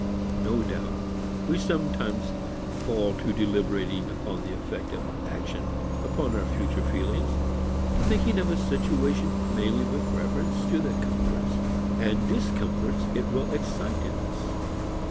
No doubt we sometimes fall to deliberating upon the effect of action upon our future feelings, thinking of a situation mainly with reference to the comforts and discomforts it will excite in us.